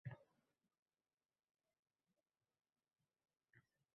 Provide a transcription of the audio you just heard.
Shavkat Mirziyoyev: Biz – dunyoga, dunyo – bizga ochiq boʻlishi kerakng